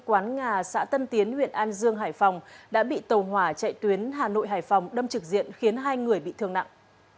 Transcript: quán ngà xã tân tiến huyện an dương hải phòng đã bị tàu hỏa chạy tuyến hà nội hải phòng đâm trực diện khiến hai người bị thương nặng